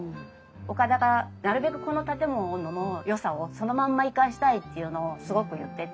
岡田がなるべくこの建物のよさをそのまんま生かしたいっていうのをすごく言ってて。